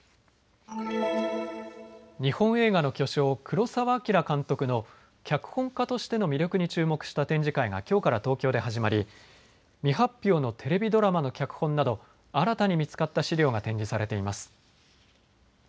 日本映画の巨匠、黒澤明監督の脚本家としての魅力に注目した展示会がきょうから東京で始まり、未発表のテレビドラマの脚本など新たに見つかった資料が展示されています。